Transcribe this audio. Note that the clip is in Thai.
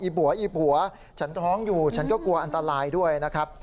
บัวอีบหัวฉันท้องอยู่ฉันก็กลัวอันตรายด้วยนะครับ